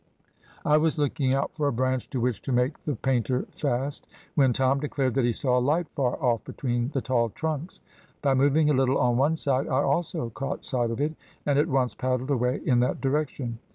"I was looking out for a branch to which to make the painter fast, when Tom declared that he saw a light far off between the tall trunks. By moving a little on one side, I also caught sight of it, and at once paddled away in that direction.